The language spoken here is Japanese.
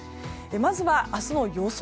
まずは明日の予想